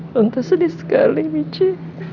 lontar sedih sekali michi